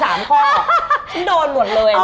ฉันโดนหมดเลย